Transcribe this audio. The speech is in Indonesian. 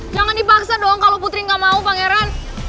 jangan dipaksa dong kalau putri gak mau pangeran